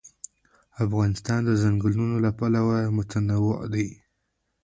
افغانستان د ځنګلونه له پلوه متنوع دی.